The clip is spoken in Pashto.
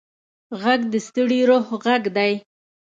غږ د ستړي روح غږ دی